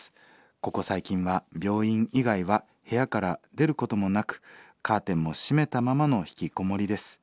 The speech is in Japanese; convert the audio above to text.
ここ最近は病院以外は部屋から出ることもなくカーテンも閉めたままのひきこもりです。